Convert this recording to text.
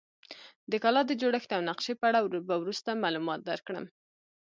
د کلا د جوړښت او نقشې په اړه به وروسته معلومات درکړم.